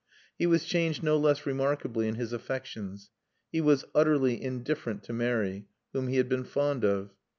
He was changed no less remarkably in his affections. He was utterly indifferent to Mary, whom he had been fond of.